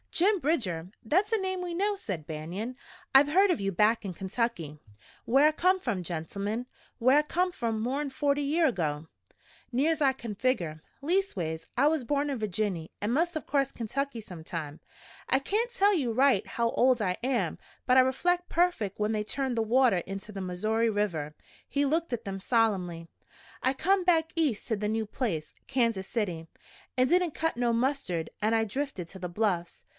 "Jim Bridger? That's a name we know," said Banion. "I've heard of you back in Kentucky." "Whar I come from, gentlemen whar I come from more'n forty year ago, near's I can figger. Leastways I was borned in Virginny an' must of crossed Kentucky sometime. I kain't tell right how old I am, but I rek'lect perfect when they turned the water inter the Missoury River." He looked at them solemnly. "I come back East to the new place, Kansas City. It didn't cut no mustard, an' I drifted to the Bluffs.